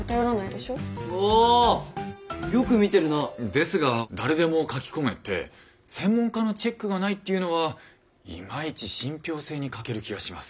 ですが誰でも書き込めて専門家のチェックがないっていうのはいまいち信ぴょう性に欠ける気がします。